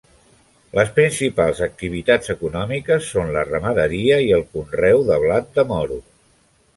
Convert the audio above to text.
Les principals activitats econòmiques són la ramaderia i el conreu de blat de moro.